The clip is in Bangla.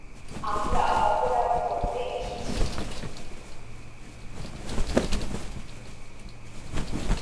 আমরা অপরাধ করতে এসেছি।